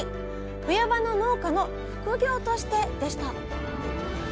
冬場の農家の副業としてでした